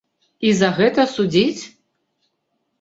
І за гэта судзіць?